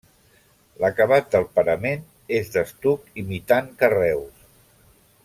L'acabat del parament és d'estuc imitant carreus.